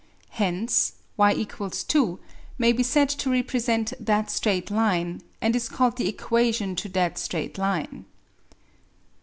Hence y = 2 may be said to represent that straight line, and is called the equation to that straight line.